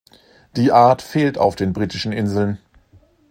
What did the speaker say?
Die Art fehlt auf den Britischen Inseln.